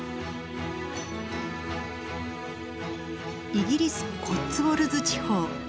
イギリス・コッツウォルズ地方。